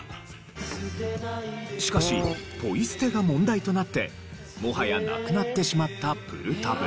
しかしポイ捨てが問題となってもはやなくなってしまったプルタブ。